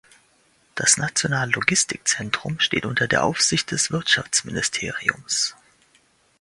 Das Nationale Logistikzentrum steht unter der Aufsicht des Wirtschaftsministeriums.